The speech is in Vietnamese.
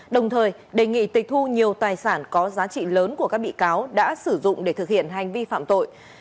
đồng thời đề nghị tịch thu nhiều tài sản có giá trị lớn của các bị cáo đã sử dụng để thực hiện hành vi phạm tội